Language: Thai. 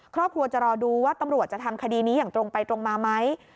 ครอบครัวจะรอดูว่าตำรวจจะทำคดีนี้อย่างตรงไปตรงมาไหม